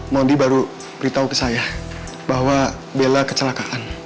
mondi baru beritahu ke saya bahwa bela kecelakaan